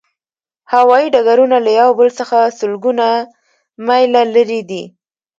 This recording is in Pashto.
هوایی ډګرونه له یو بل څخه سلګونه میله لرې دي